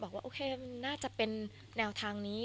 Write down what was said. บอกว่าน่าจะเป็นแนวทางนี้